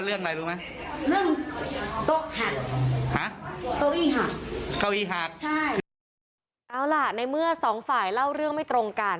เอาล่ะในเมื่อสองฝ่ายเล่าเรื่องไม่ตรงกัน